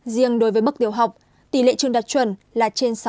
riêng đối với bậc tiểu học tỷ lệ trường đạt chuẩn là trên sáu mươi